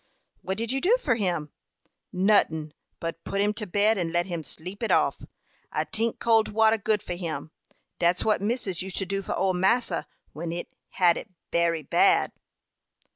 "What did you do for him?" "Notin, but put him to bed and let him sleep it off; I tink cold water good for him. Dat's what missus used to do for old massa when he hab it bery bad."